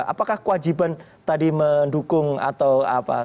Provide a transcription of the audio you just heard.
apakah kewajiban tadi mendukung atau apa